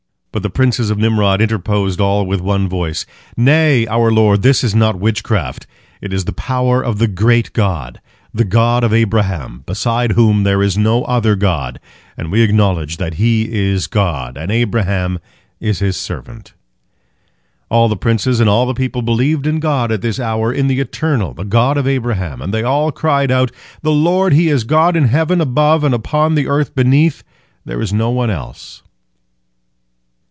But the princes of Nimrod interposed all with one voice, "Nay, our lord, this is not witchcraft, it is the power of the great God, the God of Abraham, beside whom there is no other god, and we acknowledge that He is God, and Abraham is His servant." All the princes and all the people believed in God at this hour, in the Eternal, the God of Abraham, and they all cried out, "The Lord He is God in heaven above and upon the earth beneath; there is none else."